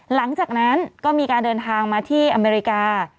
หลังจากนั้นก็มีการเดินทางมาที่อเมริกา